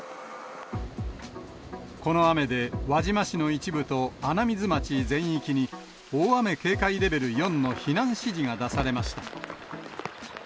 この雨で、輪島市の一部と穴水町全域に、大雨警戒レベル４の避難指示が出されました。